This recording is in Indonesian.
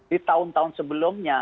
di tahun tahun sebelumnya